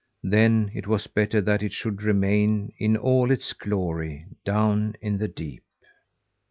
Then it was better that it should remain in all its glory down in the deep.